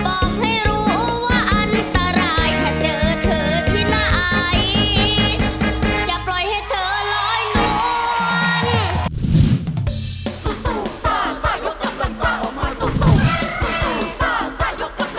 บอกให้รู้ว่าอันตราย